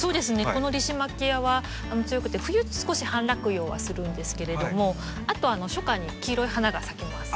このリシマキアは強くて冬少し半落葉はするんですけれどもあと初夏に黄色い花が咲きます。